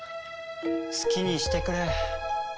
好きにしてくれ。